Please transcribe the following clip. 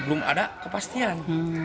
belum ada kepastian